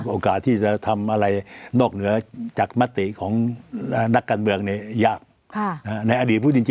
โอกาสที่จะทำอะไรนอกเหนือจากมติของนักการเมืองนี่ยาก